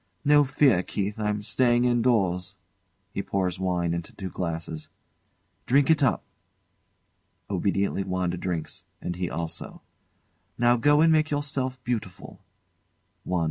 No fear, Keith! I'm staying indoors. [He pours wine into two glasses] Drink it up! [Obediently WANDA drinks, and he also.] Now go and make yourself beautiful. WANDA.